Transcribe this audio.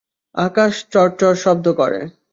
আকাশ চড় চড় শব্দ করে।